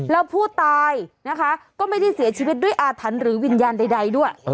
แล้วผู้ตายนะคะก็ไม่ได้เสียชีวิตด้วยอาถรรพ์หรือวิญญาณใดด้วย